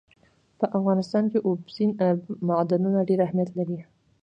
په افغانستان کې اوبزین معدنونه ډېر اهمیت لري.